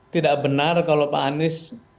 tidak benar kalau pak anies